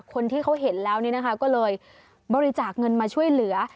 คนที่เขาเห็นแล้วนี่นะคะก็เลยบริจาคเงินมาช่วยเหลือ